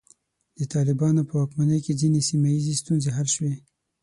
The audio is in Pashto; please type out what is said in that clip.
د طالبانو په واکمنۍ کې ځینې سیمه ییزې ستونزې حل شوې.